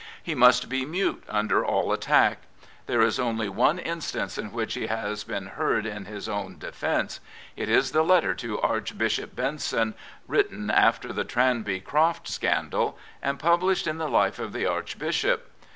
He must be mute under all attack. There is only one instance in which he has been heard in his own defence. It is the letter to Archbishop Benson, written after the Tranby Croft scandal, and published in the life of the Archbishop.